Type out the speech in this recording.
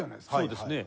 そうですね。